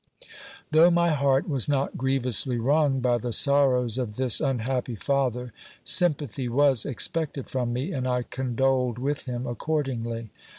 Though my heart was not grievously wrung by the sorrows of this unhappy father, sympathy was expected from me, and I condoled with him accordingly.